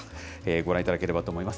ご覧いただければと思います。